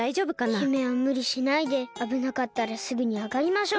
姫はむりしないであぶなかったらすぐにあがりましょう。